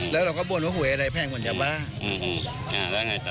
แล้วเราก็บวนว่าหวยอะไรแพงเหมือนจะบ้า